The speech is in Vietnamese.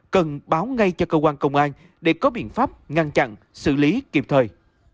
cần báo ngay cho cơ quan công an để có biện pháp ngăn chặn xử lý kịp thời